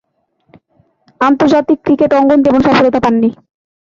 আন্তর্জাতিক ক্রিকেট অঙ্গনে তেমন সফলতা পাননি।